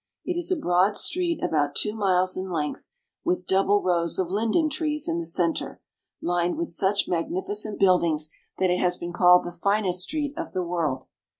It is a broad street about two miles in length, with double rows of linden trees in the center, lined with such magnificent buildings that it has been called the finest street of the world.